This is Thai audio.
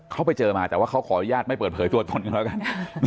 เขาไปเจอมาแต่ว่าเขาขออนุญาตไม่เปิดเผยตัวตนกันแล้วกัน